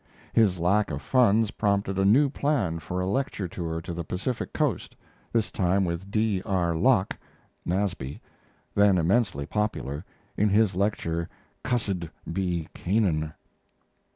His lack of funds prompted a new plan for a lecture tour to the Pacific coast, this time with D. R. Locke (Nasby), then immensely popular, in his lecture "Cussed Be Canaan."